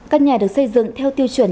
căn nhà được xây dựng theo tiêu chuẩn